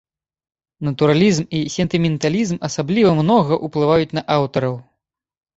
Натуралізм і сентыменталізм асабліва многа ўплываюць на аўтараў.